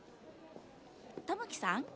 玉木さん？